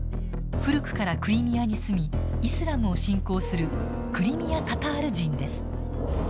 古くからクリミアに住みイスラムを信仰するクリミア・タタール人です。